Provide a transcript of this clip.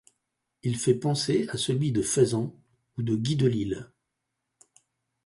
Il fait penser à celui de Faizant ou de Guy Delisle.